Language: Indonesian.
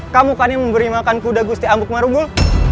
kamu kan yang memberi makan kuda gusti ambuk marubul